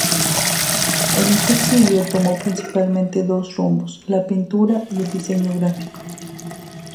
En este exilio tomó principalmente dos rumbos: la pintura y el diseño gráfico.